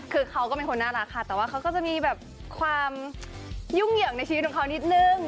คือเขาก็เป็นคนน่ารักค่ะแต่ว่าเขาก็จะมีแบบความยุ่งเหยิงในชีวิตของเขานิดนึง